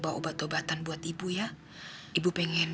ada karyawan yang belumchef